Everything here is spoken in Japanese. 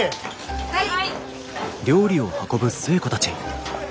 はい！